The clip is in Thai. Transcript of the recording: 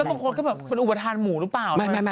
แล้วบางคนเขาบอกว่าเป็นอุบัติธรรมหมู่หรือเปล่า